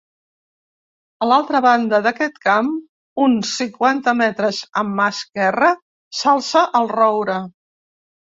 A l'altra banda d'aquest camp, uns cinquanta metres a mà esquerra, s'alça el roure.